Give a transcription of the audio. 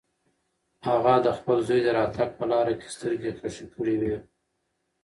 هغه د خپل زوی د راتګ په لاره کې سترګې خښې کړې وې.